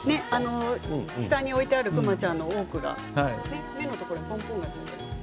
下に置いてある熊ちゃんの多くは目のところにポンポンがついています。